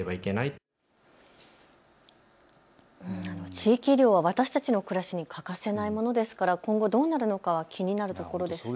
地域医療は私たちの暮らしに欠かせないものですから今後、どうなるのか気になるところですよね。